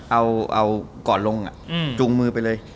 เอาก่อนลงจูงมือไปเลย